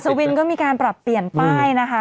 วินก็มีการปรับเปลี่ยนป้ายนะคะ